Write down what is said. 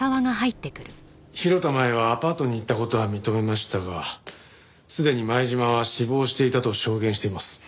広田舞はアパートに行った事は認めましたがすでに前島は死亡していたと証言しています。